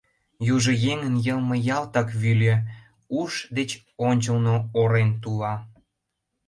Южо еҥын йылме ялтак вӱльӧ — уш деч ончылно орен тула.